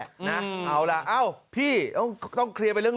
ลูกกับหลานน่าจะปลอดภัยดีแหละนะ